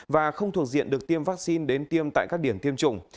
và không thuộc diện được tiêm vaccine đến tiêm tại các điểm tiêm chủng